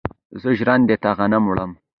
زه ژرندې ته غنم وړم.